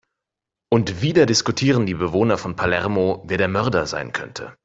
Und wieder diskutieren die Bewohner von Palermo, wer der Mörder sein könnte.